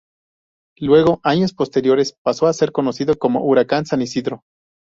Luego años posteriores pasó a ser conocido como Huracán San Isidro.